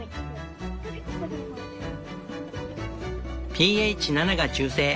ｐＨ７が中性。